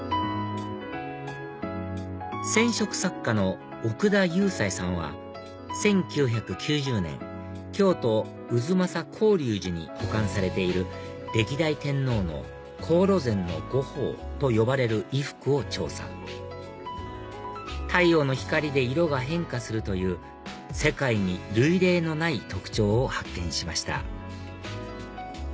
染色作家の奥田祐斎さんは１９９０年京都・太秦広隆寺に保管されている歴代天皇の黄櫨染御袍と呼ばれる衣服を調査太陽の光で色が変化するという世界に類例のない特徴を発見しました